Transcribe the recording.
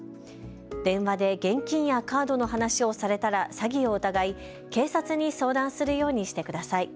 電話で現金やカードの話をされたら詐欺を疑い警察に相談するようにしてください。